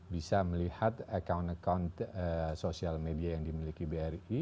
bisa melihat account account sosial media yang dimiliki bri